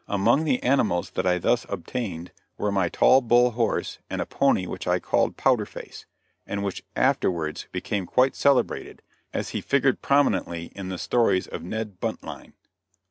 Among the animals that I thus obtained were my Tall Bull horse, and a pony which I called "Powder Face," and which afterwards became quite celebrated, as he figured prominently in the stories of Ned Buntline.